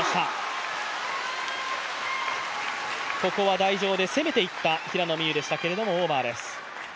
ここは台上で攻めていった平野美宇でしたけれどもオーバーです。